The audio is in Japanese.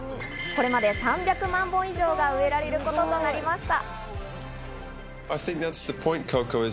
これまで３００万本以上が植えられることとなりました。